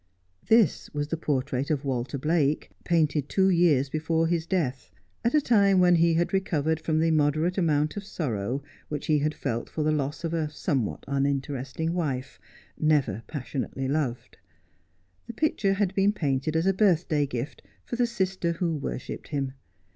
This was the portrait of "Walter Blake, painted two years before his death, at a time when he had recovered from the moderate amount of sorrow which he had felt for the loss of a somewhat uninteresting wife, never passionately loved. The picture had been painted as a birthday gift for the sister who worshipped him.